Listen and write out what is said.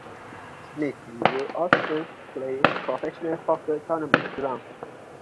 Smith would often play professional poker tournaments drunk.